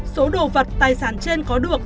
số đồ vật tài sản trên có được